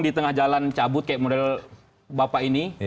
di tengah jalan cabut kayak model bapak ini